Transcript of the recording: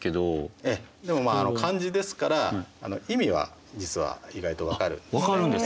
ええでもまあ漢字ですから意味は実は意外と分かるんです。